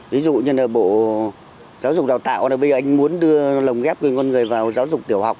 ví dụ như là bộ giáo dục đào tạo bây anh muốn đưa lồng ghép gửi con người vào giáo dục tiểu học